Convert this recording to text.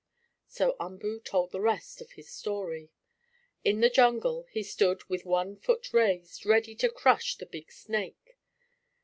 So Umboo told the rest of his story. In the jungle he stood, with one foot raised, ready to crush the big snake.